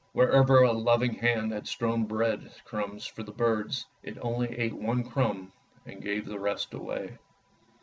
Wherever a loving hand had strewn bread crumbs for the birds, it only ate one crumb and gave the rest away.